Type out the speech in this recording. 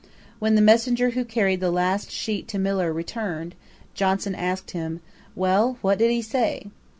When the messenger who carried the last sheet to Millar returned, Johnson asked him, 'Well, what did he say?'